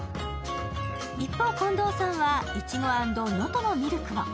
一方、近藤さんはいちご＆能登のミルクを。